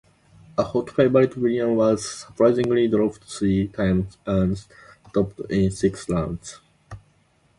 A hot favourite, Williams was surprisingly dropped three times and stopped in six rounds.